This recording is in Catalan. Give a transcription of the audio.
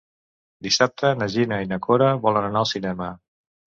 Dissabte na Gina i na Cora volen anar al cinema.